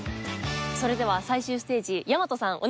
それでは最終ステージ大和さんお願いします。